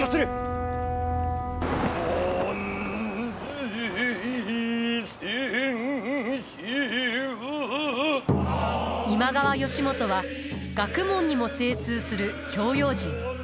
万歳千秋今川義元は学問にも精通する教養人。